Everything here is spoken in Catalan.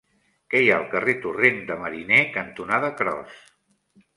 Què hi ha al carrer Torrent de Mariner cantonada Cros?